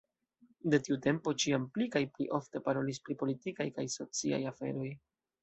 De tiu tempo ĉiam pli kaj pli ofte parolis pri politikaj kaj sociaj aferoj.